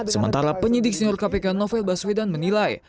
sementara penyidik senior kpk novel baswedan menilai